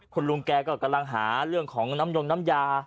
คุณลุงแกก็กำลังหาเรื่องของน้ำยงน้ำยา